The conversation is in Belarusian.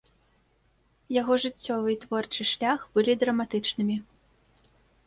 Яго жыццёвы і творчы шлях былі драматычнымі.